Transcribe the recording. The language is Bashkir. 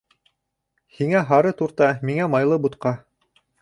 Һиңә һары турта, миңә майлы бутҡа.